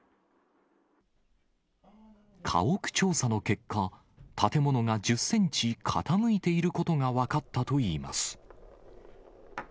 家屋調査の結果、建物が１０センチ傾いていることが分かったといいます。